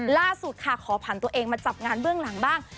ล่าสุดค่ะขอผ่านตัวเองมาจับงานเบื้องหลังบ้าง